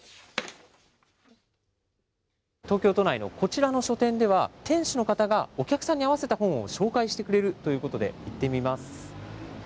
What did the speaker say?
東京都内のこちらの書店では、店主の方がお客さんに合わせた本を紹介してくれるということで、行ってみます。